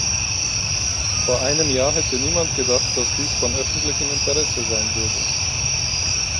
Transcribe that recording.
Vor einem Jahr hätte niemand gedacht, dass dies von öffentlichem Interesse sein würde.